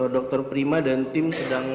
dokter prima dan tim sedang